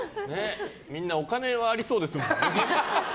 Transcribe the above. みんな、お金はありそうですね。